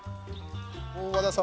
大和田さん